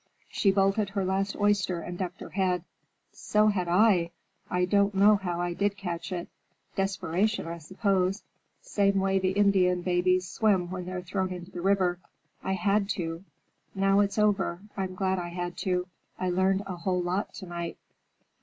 She bolted her last oyster and ducked her head. "So had I! I don't know how I did catch it. Desperation, I suppose; same way the Indian babies swim when they're thrown into the river. I had to. Now it's over, I'm glad I had to. I learned a whole lot to night."